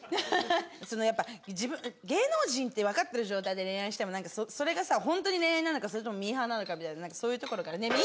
そのやっぱ芸能人って分かってる状態で恋愛してもそれがさホントに恋愛なのかそれともミーハーなのかみたいなそういうところからねえ。